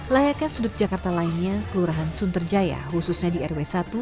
layaknya sudut jakarta lainnya kelurahan sunterjaya khususnya di rw satu